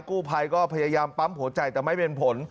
กู้ภัยก็พยายามปั๊มหัวใจแต่ไม่เป็นผล